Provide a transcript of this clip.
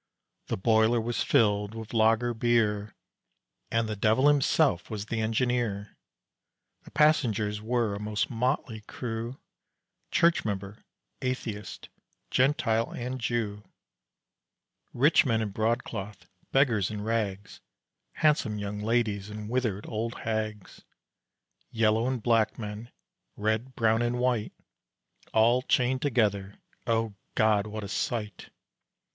The boiler was filled with lager beer And the devil himself was the engineer; The passengers were a most motley crew, Church member, atheist, Gentile, and Jew, Rich men in broadcloth, beggars in rags, Handsome young ladies, and withered old hags, Yellow and black men, red, brown, and white. All chained together, O God, what a sight!